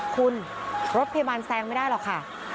คุณรถพยาบาลแซงไม่ได้หรอกค่ะ